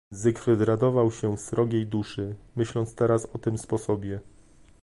"Zygfryd radował się w srogiej duszy, myśląc teraz o tym sposobie."